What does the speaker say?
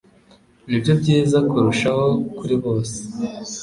nibyo byiza kurushaho kuri bose